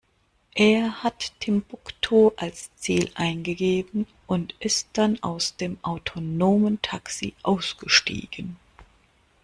Er hat Timbuktu als Ziel eingegeben und ist dann aus dem autonomen Taxi ausgestiegen.